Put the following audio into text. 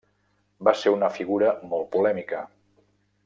Va ser una figura molt polèmica.